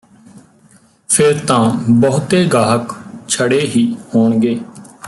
ਫਿਰ ਤਾਂ ਬਹੁਤੇ ਗਾਹਕ ਛੜੇ ਹੀ ਹੋਣਗੇ